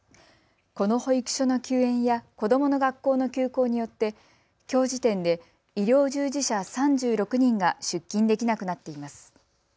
この保育所の休園や子どもの学校の休校によってきょう時点で医療従事者３６人が出勤できなくなっています。